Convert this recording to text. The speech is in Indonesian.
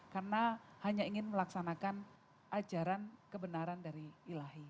karena hanya ingin melaksanakan ajaran kebenaran dari ilahi